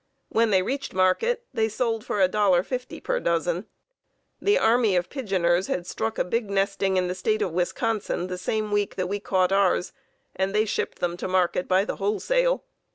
When they reached market they sold for $1.50 per dozen. The army of pigeoners had struck a big nesting in the State of Wisconsin the same week we caught ours, and they shipped them to market by the wholesale.